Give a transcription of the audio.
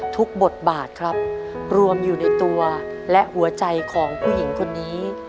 บทบาทครับรวมอยู่ในตัวและหัวใจของผู้หญิงคนนี้